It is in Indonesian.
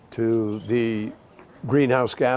beberapa darinya sudah dibakar